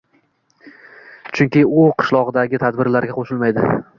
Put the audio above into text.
Chunki u qishlogʻidagi tadbirlarga qoʻshilmaydi